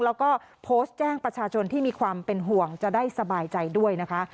แล้วก็โพสต์แจ้งประชาชนที่มีความเป็นห่วงจะได้สบายใจด้วยนะคะ